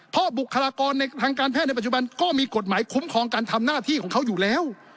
เพราะบุคลากรในทางการแพทย์ในปัจจุบันก็มีกฎหมายคุ้มครองการทำหน้าที่ของเขาอยู่แล้ว